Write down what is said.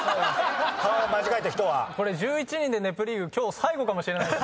これ１１人で『ネプリーグ』今日最後かもしれないです。